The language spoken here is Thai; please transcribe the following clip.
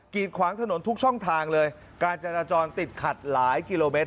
ขวางถนนทุกช่องทางเลยการจราจรติดขัดหลายกิโลเมตร